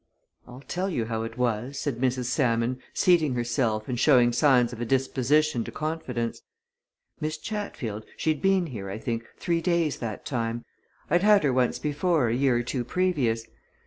"I'll tell you how it was," said Mrs. Salmon, seating herself and showing signs of a disposition to confidence. "Miss Chatfield, she'd been here, I think, three days that time I'd had her once before a year or two previous.